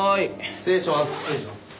失礼します。